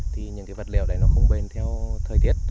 thì những cái vật liệu đấy nó không bền theo thời tiết